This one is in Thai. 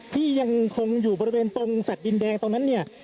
ที่ยังคงอยู่บริเวณตรงสัตว์ดินแดงตรงนั้นเนี่ย